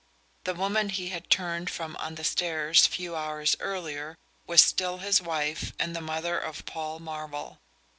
The woman he had turned from on the stairs a few hours earlier was still his wife and the mother of Paul Marvell.